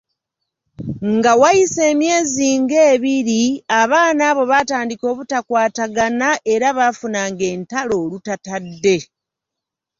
Nga wayise emyezi nga ebiri, abaana abo baatandika obutakwatana era baafunanga entalo olutatadde.